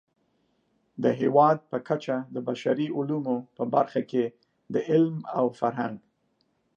د هېواد په کچه د بشري علومو په برخه کې د علم او فرهنګ